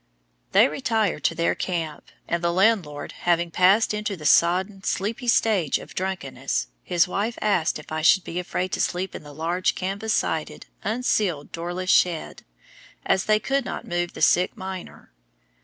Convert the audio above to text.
They retired to their camp, and the landlord having passed into the sodden, sleepy stage of drunkenness, his wife asked if I should be afraid to sleep in the large canvas sided, unceiled, doorless shed, as they could not move the sick miner.